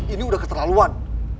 ini udah keterlaluan